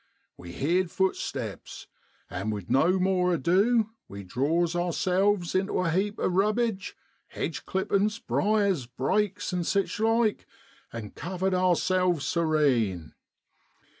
We heerd footsteps, and with no more ado we draws ourselves intu a heap of rubbidge hedge clippin's, briers, brakes, and sich like, and covered ourselves serene.